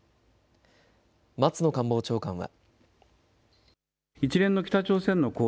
松野官房長官は。